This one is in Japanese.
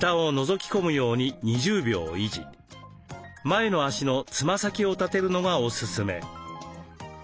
前の足のつま先を立てるのがおすすめ。